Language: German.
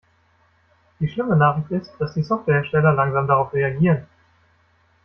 Die schlimme Nachricht ist, dass die Softwarehersteller langsam darauf reagieren.